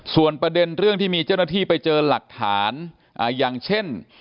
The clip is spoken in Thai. ส่วนประเด็นเรื่องที่มีเจ้าหน้าที่ไปเจอหลักฐานอย่างเช่น